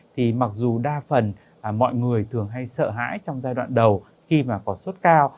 thì mặc dù đa phần mọi người thường hay sợ hãi trong giai đoạn đầu khi mà có sốt cao